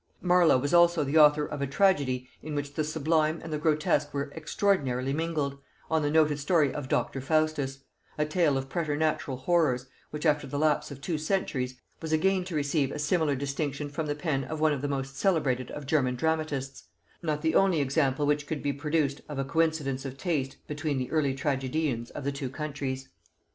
Marlow was also the author of a tragedy, in which the sublime and the grotesque were extraordinarily mingled, on the noted story of Dr. Faustus; a tale of preternatural horrors, which, after the lapse of two centuries, was again to receive a similar distinction from the pen of one of the most celebrated of German dramatists: not the only example which could be produced of a coincidence of taste between the early tragedians of the two countries.